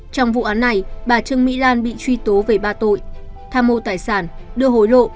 trong vụ án này bà trương mỹ lan bị truy tố về ba tội tham mô tài sản đưa hối lộ